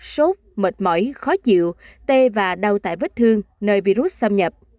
sốt mệt mỏi khó chịu tê và đau tại vết thương nơi virus xâm nhập